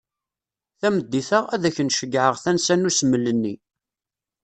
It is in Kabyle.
Tameddit-a, ad ak-n-ceggεeɣ tansa n usmel-nni.